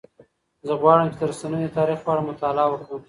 زه غواړم چې د رسنیو د تاریخ په اړه مطالعه وکړم.